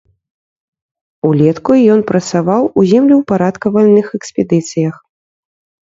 Улетку ён працаваў у землеўпарадкавальных экспедыцыях.